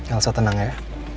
elsa tenang ya